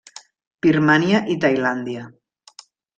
Birmània i Tailàndia.